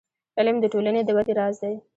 • علم، د ټولنې د ودې راز دی.